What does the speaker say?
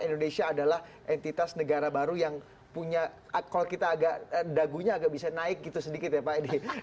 indonesia adalah entitas negara baru yang punya kalau kita agak dagunya agak bisa naik gitu sedikit ya pak edi